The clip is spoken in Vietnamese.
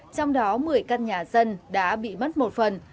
trong đó một mươi căn nhà dân đã bị mất một phần